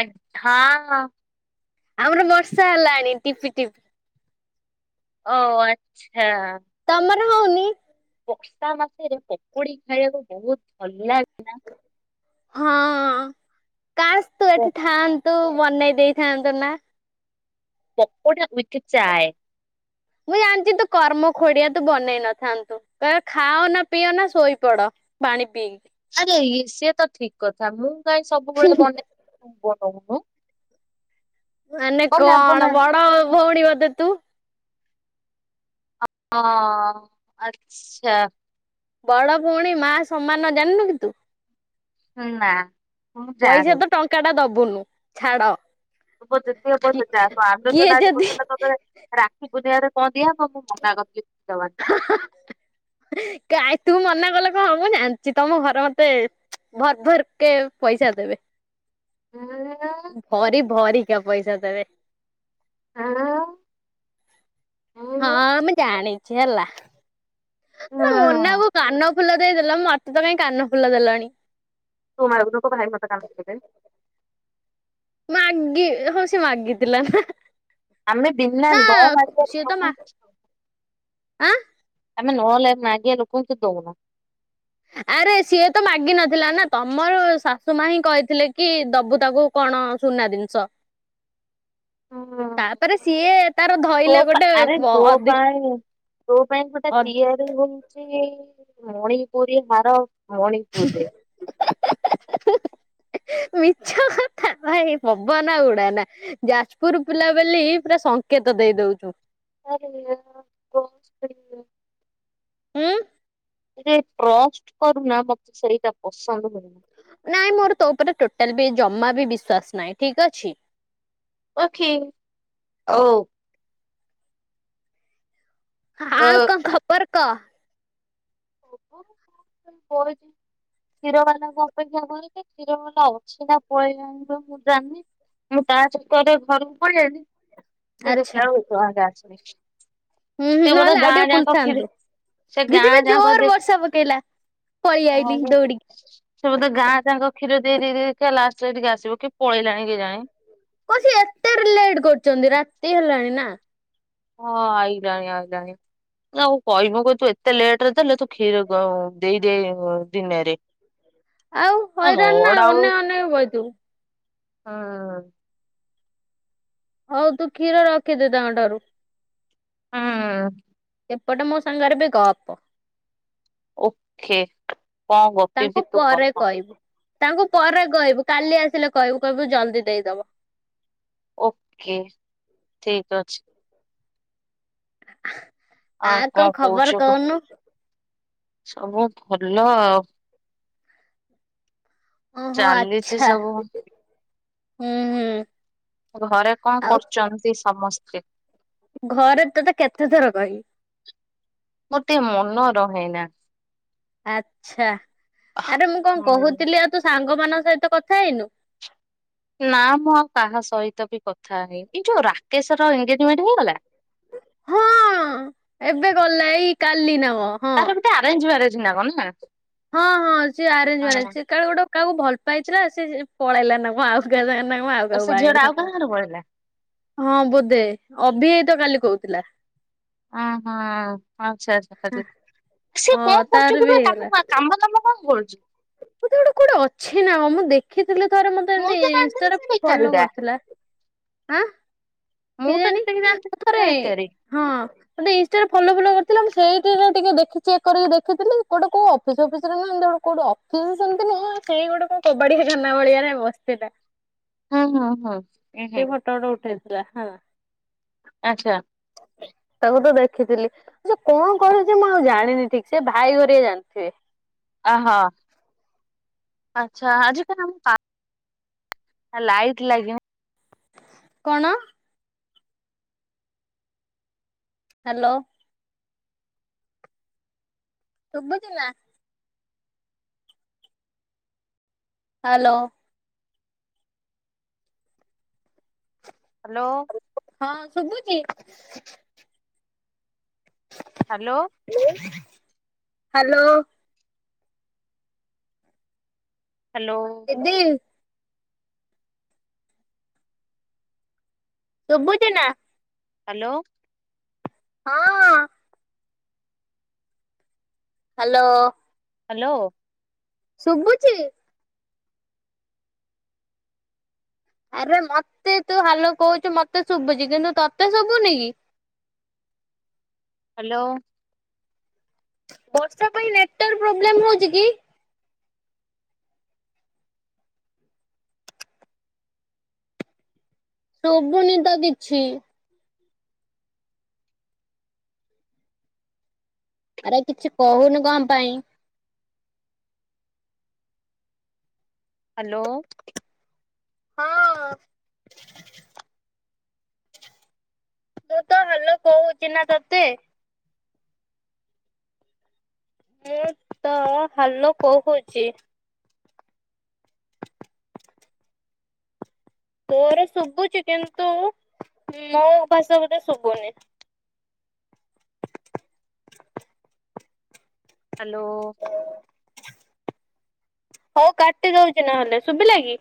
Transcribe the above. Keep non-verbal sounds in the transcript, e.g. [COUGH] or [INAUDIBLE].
ଆଗ୍ ହଁ ହଁ! ଆମର ବର୍ଷା ହେଲାଣି ଟିପି ଟିପ୍ ଓ ଆଚ୍ଛା। ତମର ହଉନି? ବର୍ଷା ମାସରେ ପକୁଡି ଖାଇବାକୁ ବହୁତ୍ ଭଲ ଲାଗେ ନା? ହଁ କାସ୍ ତୁ ପ ଏଠି ଥାଆନ୍ତୁ ବନେଇ ଦେଇଥାନ୍ତୁ ନା? ପକୁଡି ୱିଥ୍ ଚାୟେ। ମୁଁ ଜାଣିଚି ତୁ କର୍ମଖୋଡିଆ ତୁ ବନେଇ ନଥାନ୍ତୁ କହିବ ଖାଅ ନା ପିଅ ନା ଶୋଇପଡ। ପାଣି ପିଇକି। ଆରେ ଇ ସିଏ ତ ଠିକ୍ କଥା ମୁଁ କାଇଁ ସବୁବେଳେ ବନେଇ ବନଉନୁ। ମାନେ ବନା କଣ ବନା। ବଡ ଭଉଣୀ ବୋଧେ ତୁ। ହଁ ଆଚ୍ଛା। ବଡ ଭଉଣୀ ମା ସମାନ ଜାଣିନୁ କି ତୁ? ନା ମୁଁ ଜାଣି। ଟଙ୍କାଟା ଦବୁନୁ ଛାଡ। ହବ ଯେତି ହବ ସେ ଚା ତ କିଏ ଆଲୋଚନା ଆଜି ଯଦି ଗୋଟେ [UNINTELLIGIBLE] ରାକ୍ଷୀ ପୂର୍ଣ୍ଣିମାରେ କଁ ଦିଆ ହବ ମୁଁ ମନା କରୁଚି କିଛି ଦବାନି। କାଇଁ ତୁ ମନା କଲେ କଣ ମୁଁ ଜାଣିଚି ତମ ଘର ମତେ ଭର ଭର କେ ପଇସା ଦେବେ। ଏଁ ଭରି ଭରି କିଅ ପଇସା ଦେବେ। ଆଁ ହଁ ଆମେ ଜାଣିଛି ହେଲା ଉଁ ଏ ମନାକୁ କାନ ଫୁଲ ଦେଇଦଲ ମତେ ତ କାଇଁ କାନ ଫୁଲ ଦେଲନି। ତୁ ମାଗୁନୁ ତୋ ଭାଇ ତତେ କାନ ଫୁଲି ଦେବେ। ମାଗି ହଁ ସେ ମାଗିଥିଲା। ଆମେ ବିନା ନା ନ ମାଗିଲେ ସିଏ ତ ମା ଠକୁଛି। ଆଁ ଆମେ ନ ଲା ମାଗିବା ଲୋକଙ୍କୁ କିଛି ଦଉନା। ଆରେ ସିଏ ତ ମାଗିନଥିଲା ନା। ତମର ଶାଶୁ ମା ହିଁ କହିଥିଲେ କି ଦବୁ ତାକୁ। କଣ ସୁନା ଜିନିଷ। ତାପରେ ସିଏ ତାର ତୋ ଧଇଲା ଗୋଟେ ଆରେ ଅ ତୋ ଅଧି ପାଇଁ ତୋ ପାଇଁ ଗୋଟେ ପିଏ [UNINTELLIGIBLE] ହଉଚି ମଣିପୁରୀ ହାର ମଣିପୁରରେ। ମିଛ କଥା। ଭାଇ ପବନା ଉଡା ନା ଯାଜପୁର ପିଲା ବୋଲି ପୁରା ସଂଙ୍କେତ ଦେଇ ଦଉଚୁ। [UNINTELLIGIBLE] ଆଁ ମତେ ଏ ଟ୍ରଷ୍ଟ କରୁନା ମତେ ସେଇଟା ପସନ୍ଦ ହଉନି। ନାଇଁ ମୋର ତୋ ଉପରେ ଟୋଟାଲ ବି ଜମା ବି ବିଶ୍ଵାସ ନାହିଁ। ଠିକ୍ ଅଛି। ଓକେ ଓ ଓ ଆଉ କଣ ଖବର କହ। କଇଚି। କ୍ଷୀର ବାଲାକୁ ଅପେକ୍ଷା କରଚି। କ୍ଷୀର ବାଲା ଅଛି ନା ପଳେଇଲାଣି ବା ମୁଁ ଜାଣିନି। ମୁଁ ତା ଚକରେ ଘରକୁ ପଳେଇଆଇଲି। ସେ ଆଚ୍ଛା ଦେଖିଲା ବେଳେକୁ ଏତେ ବେଳ ଯାଏ ଆସିନି। ହୁଁ ହୁଁ ସେ ବୋଧେ ନହେଲେ ଆଉ ଗାଁ ଟିକେ ଯାକ କ୍ଷୀର ବୁଲିଥାନ୍ତୁ। ସେ ଗାଁ ଦିଦି ବି ଜୋ ଯାକ ଜୋର୍ ଦେ ବର୍ଷା ପକେଇଲା। ପଳେଇ ହଁ ଆଇଲି ଯେ ଦୌଡିକି। ସେ ବୋଧେ ଗାଁ ଯାଙ୍କ କ୍ଷୀର ଦେଇ ଦେଇ ଦେଇକା ଲାଷ୍ଟରେ ଏଠିକି ଆସିବ। କି ପଳେଇଲାଣି କେଜାଣି। କଣ ସେ ଏତେ ଲେଟ୍ କରୁଚନ୍ତି? ରାତି ହେଲାଣି ନା। ହଁ ଆଇଲାଣି ଆଇଲାଣି। ଆଉ କହିବି ମୁଁ କହିବି ତୁ ଏତେ ଲେଟରେ ଦେଲେ ତୁ କ୍ଷୀର ଦେଇଦେ ଦିନେରେ। ଆଉ ହେ ହଇରାଣ ନା ମୋର ଆଉ ହୁଁ। ଅନେଇ ଅନେଇ ବଇଥିବୁ। ହଉ ତୁ କ୍ଷୀର ରଖିଦେ ତାଙ୍କ ଠାରୁ। ହୁଁ ଏପଟେ ମୋ ସାଙ୍ଗରେ ବି ଗପ। ଓକେ କଣ ଗପି ତାଙ୍କୁ ବି ତୁ ପରେ କହ? କହିବୁ। ତାଙ୍କୁ ପରେ କହିବୁ କାଲି ଆସିଲେ କହିବୁ କହିବୁ ଜଲ୍ଦି ଦେଇଦବ। ଓକେ ଠିକ୍ ଅଛି। ଆଉ କଣ ଖବର କହୁନୁ? ସବୁ ଭଲ ଆଉ। ଓହୋ ଚାଲିଛି ଆଚ୍ଛା ସବୁ। ହୁଁ ହୁଁ। ଘରେ କଣ ଆଉ କରୁଛନ୍ତି ସମସ୍ତେ? ଘରେ ତତେ କେତେ ଥର କହିବି? ମୋର ଟିକେ ମନ ରହେନା? ଆଛା ଆରେ ମୁଁ କଣ ହଁ କହୁଥିଲି ଆଉ ତୁ ସାଙ୍ଗମାନଙ୍କ ସହିତ କଥା ହେଇନୁ? ନା ମୁଁ ଆଉ କାହା ସହିତ ବି କଥା ହେଇନି ଏଇ ଯୋଉ ରାକେଶ ର ଏଗେଜମେଣ୍ଟ ହେଇଗଲା? ହଁ ଏବେ ଗଲା ଏଇ କାଲି ନା କଣ? ହଁ। ତାର ବୋଧେ ଆରେଞ୍ଜମ୍ୟାରେଜ ନା କଣ ନା? ହଁ ହଁ ସିଏ ଆରେଞ୍ଜମ୍ୟାରେଜ ହଁ। ସେ କାଳେ ଗୋଟେ କାହାକୁ ଭଲ ପାଇଥିଲା ସେ ପଳେଇଲା ନା କଣ ଆଉ କା [UNINTELLIGIBLE] ଆଉ ତ କାହାକୁ ସେ ବାହା ଝିଅ ଟା ହେଇଗଲା ଆଉ ନା କାହା ଘରେ ପଳେଇଲା ହଁ ବୋଧେ ଅଭି ଭାଇ ତ କାଲି କହୁଥିଲା? ଓହୋ ଆଛା ଆଛା। ହଁ ତାର ବି ହେଇଗଲା। କାମ ଦାମ କଣ କରୁଛି? ବୋଧେ କୁଆଡ଼େ ଗୋଟେ କୋଉଠି ଅଛି ନା ମୁଁ ଦେଖି ଦେଖିଥିଲେ ଥରେ ମତେ ମୁଁ ଇ ତ ଇ ଜାଣିଥିଲି ଇନଷ୍ଟା ସେ ବେକାରୀ ଫଲୋ ଟା କରୁଥିଲା ଆଁ। ମୁଁ ତ ଯେତିକି ଯାଣିଥିଲି ସେ ବେକାରୀ। ମତେ ଇନଷ୍ଟା ଫଲ ଫଲ କରିଥିଲା ମୁଁ ସେଇଠି ଟିକେ ଦେଖି ଚେକ୍ କରିକି ଦେଖିଥିଲି ଗୋଟେ କୋଉ ଅଫିସ୍ ଫସସିରେ ନା ଏମିତି ଗୋଟେ ସେମତି ନୁହଁ ସେଇ ଗୋଟେ କଣ କବାଡିଆ ଖାନା ଭଳିଆରେ ବସିଥିଲା। ହୁଁ ହୁଁ। ଫଟ ଫଟ ଉଠେଇଥିଲା ହଁ। ଆଚ୍ଛା। ହଁ ତାକୁ ତ ଦେଖିଥିଲି ଆ ସେ କଣ କରୁଛି ମୁଁ ଆଉ ଜାଣିନି ଠିକ ସେ ଭାଇ ହେରିକା ଜାଣିଥିବେ? ଅହୋ ଆଛା ଆଜି କ [UNINTELLIGIBLE] ଆ ଲାଇଟ୍ ଲାଗିଛି। କଣ? ହ୍ୟାଲୋ। ଶୁଭୁଛି ନା। ହ୍ୟାଲୋ। ହ୍ୟାଲୋ। ହଁ ଶୁଭୁଛି। ହ୍ୟାଲୋ। ଏ ହ୍ୟାଲୋ। ହ୍ୟାଲୋ। ଦିଦି। ଶୁବୁଛି ନା। ହ୍ୟାଲୋ। ହଁ। ହ୍ୟାଲୋ। ହ୍ୟାଲୋ। ଶୁଭୁଛି? ଆରେ ମତେ ତୁ ହେଲୋ କହୁଛୁ ମତେ ଶୁଭୁଛି କିନ୍ତୁ ତତେ ଶୁଭୁନି କି? ହ୍ୟାଲୋ। ବର୍ଷା ପାଇଁ ନେଟୱାର୍କ ପ୍ରୋବ୍ଲେମ ହଉଛି କି? ଶୁଭୁନି ତ କିଛି। ଆରେ କିଛି କହୁନୁ କଣ ପାଇଁ? ହାଲୋ। ହଁ ତୁ ତହାଲୋ କହୁଚି ନା ତତେ? ମୁଁ ତ ହାଲୋ କହୁଚି। ତୋର ଶୁଭୁଚି କିନ୍ତୁ ମୋ ଭାଷା ବୋଧେ ଶୁଭୁନି। ହ୍ୟାଲୋ ହଉ କାଟି ଦଉଛି ନହେଲେ ଶୁଭିଲା କି?